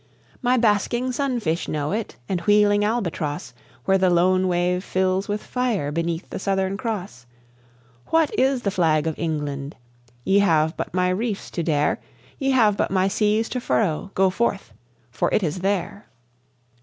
"My basking sunfish know it, and wheeling albatross, Where the lone wave fills with fire beneath the Southern Cross. What is the Flag of England? Ye have but my reefs to dare, Ye have but my seas to furrow. Go forth, for it is there!"